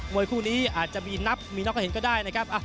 วยคู่นี้อาจจะมีนับมีน็อกให้เห็นก็ได้นะครับ